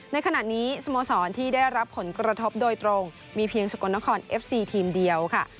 ในขณะนี้สโมสรที่ได้รับผลกระทบโดยตรงมีเพียงสกลนครเอฟซีทีมเดียวค่ะ